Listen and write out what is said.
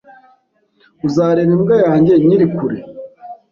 Uzareba imbwa yanjye nkiri kure?